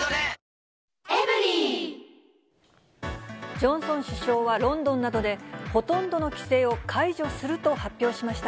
ジョンソン首相は、ロンドンなどでほとんどの規制を解除すると発表しました。